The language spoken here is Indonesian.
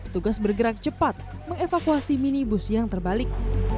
tugas bergerak cepat mengevakuasi minibus yang terbalik